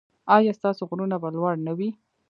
ایا ستاسو غرونه به لوړ نه وي؟